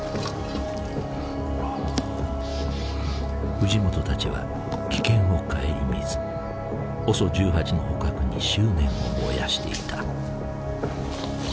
藤本たちは危険を顧みずＯＳＯ１８の捕獲に執念を燃やしていた。